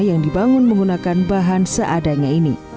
yang dibangun menggunakan bahan seadanya ini